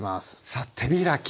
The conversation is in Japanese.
さ手開き。